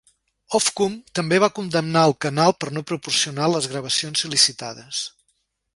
Ofcom també va condemnar el canal per no proporcionar les gravacions sol·licitades.